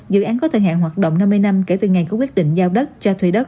dự án có thời hạn hoạt động năm mươi năm kể từ ngày có quyết định giao đất cho thuê đất